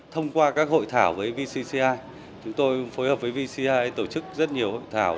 thông qua các hội thảo với vcci chúng tôi phối hợp với vci tổ chức rất nhiều hội thảo